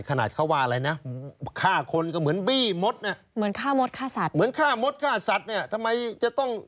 ขนาดเขาว่าอะไรนะ